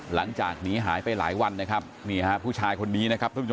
หลังจากนี้หายไปหลายวันพูชายคนนี้